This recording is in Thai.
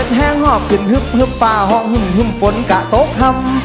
เบิดแห้งหอบขึ้นฮึบฟ้าห้องหุ่นฮึ่มฝนกะโต๊ะคำ